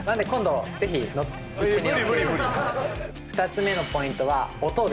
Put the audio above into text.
２つ目のポイントは音です。